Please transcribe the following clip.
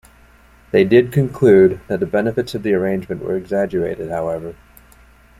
They did conclude that the benefits of the arrangement were exaggerated, however.